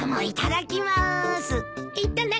いただきます。